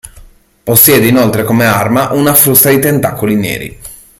Possiede inoltre come arma una frusta di tentacoli neri.